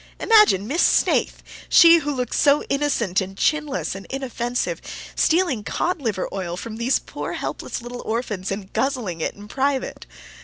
Imagine Miss Snaith, she who looks so innocent and chinless and inoffensive stealing cod liver oil from these poor helpless little orphans and guzzling it in private!